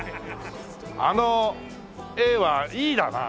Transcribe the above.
あの「ａ」は「ｅ」だな。